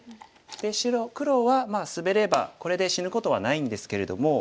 で黒はまあスベればこれで死ぬことはないんですけれども。